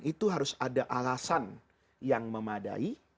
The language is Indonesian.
itu harus ada alasan yang memadai